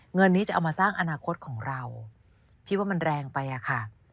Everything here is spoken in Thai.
เงินนี้จะเอามาสร้างอนาคตของเราพี่ว่ามันแรงไปอะค่ะ